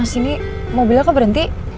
mas ini mobilnya kok berhenti